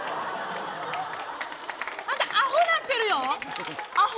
あんた、アホなってるよ。